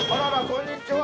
こんにちは。